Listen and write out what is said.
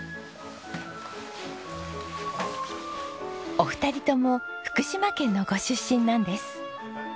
お二人とも福島県のご出身なんです。